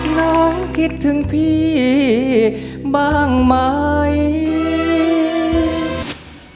น้องคิดถึงพี่บ้างไหม